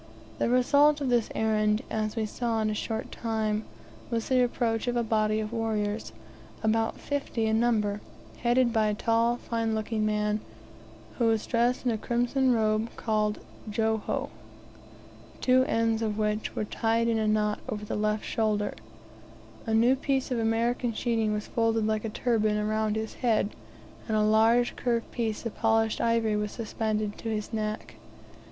The result of this errand, as we saw in a short time, was the approach of a body of warriors, about fifty in number, headed by a tall, fine looking man, who was dressed in a crimson robe called Joho, two ends of which were tied in a knot over the left shoulder; a new piece of American sheeting was folded like a turban around his head, and a large curved piece of polished ivory was suspended to his neck.